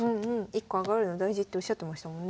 １個上がるの大事っておっしゃってましたもんね。